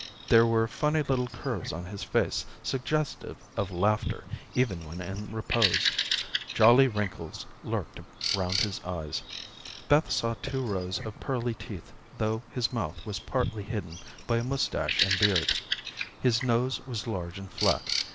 There were funny little curves on his face suggestive of laughter even when in repose. Jolly wrinkles lurked around his eyes. Beth saw two rows of pearly teeth though his mouth was partly hidden by a mustache and beard. His nose was large and flat.